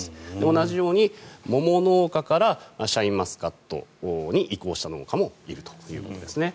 同じように桃農家からシャインマスカットに移行した農家もいるということですね。